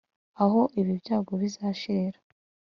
Aho ibi byago bizashirira